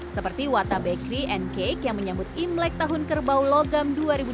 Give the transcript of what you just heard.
seperti wata bakery and cake yang menyambut imlek tahun kerbau logam dua ribu dua puluh